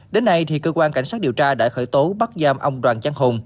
đến nay cơ quan cảnh sát điều tra đã khởi tố bắt giam ông đoàn giang hùng